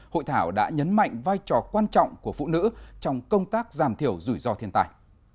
hội thảo đã nhấn mạnh vai trò quan trọng của phụ nữ trong công tác giảm thiểu rủi ro thiên tài